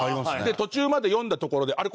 途中まで読んだところであれ？